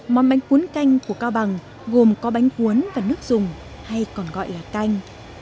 món bánh cuốn canh của cao bằng gồm có bánh cuốn và nước dùng hay còn gọi là canh